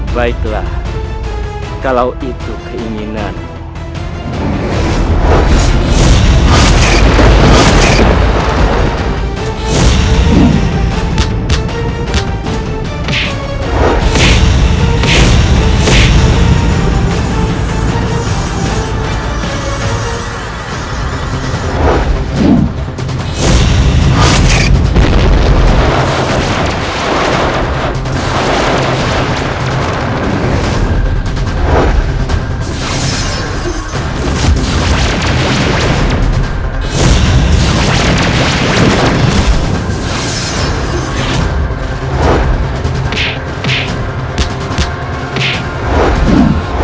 baiklah kalau itu keinginanmu